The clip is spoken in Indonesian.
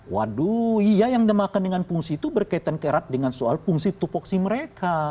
waduh iya yang dimakan dengan fungsi itu berkaitan kerat dengan soal fungsi tupoksi mereka